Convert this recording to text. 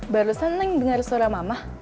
barusan neng denger suara mama